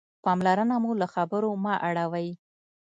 پاملرنه مو له خبرو مه اړوئ.